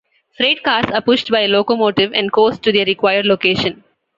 Freight cars are pushed by a locomotive and coast to their required location.